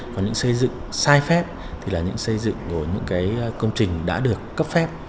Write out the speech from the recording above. còn những xây dựng sai phép thì là những xây dựng của những cái công trình đã được cấp phép